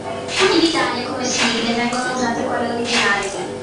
In Italia come sigle vengono usate quelle originali.